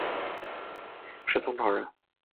是宋朝人。